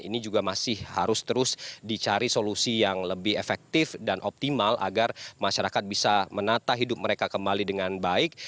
ini juga masih harus terus dicari solusi yang lebih efektif dan optimal agar masyarakat bisa menata hidup mereka kembali dengan baik